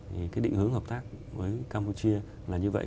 thì cái định hướng hợp tác với campuchia là như vậy